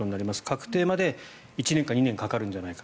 確定まで１年から２年かかるんじゃないか。